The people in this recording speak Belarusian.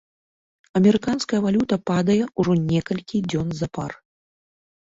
Амерыканская валюта падае ўжо некалькі дзён запар.